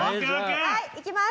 はいいきます。